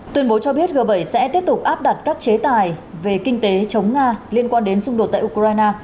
tuyên bố cho biết g bảy sẽ tiếp tục áp đặt các chế tài về kinh tế chống nga liên quan đến xung đột tại ukraine